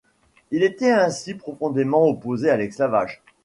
Il était ainsi profondément opposé à l'esclavage.